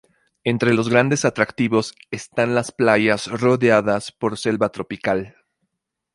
Entre los grandes atractivos están las playas rodeadas por selva tropical.